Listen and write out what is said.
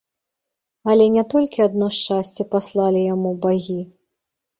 Але не толькі адно шчасце паслалі яму багі.